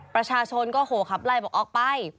ประชาชนก็โหขับไล่บอกออกไป